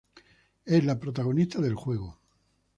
Es la protagonista del juego.